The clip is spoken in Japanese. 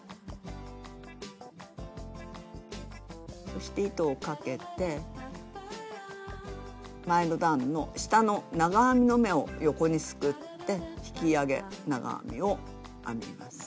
そして糸をかけて前の段の下の長編みの目を横にすくって引き上げ長編みを編みます。